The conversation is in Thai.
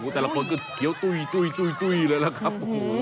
แต่ละคนก็เคี้ยวตุ้ยเลยล่ะครับ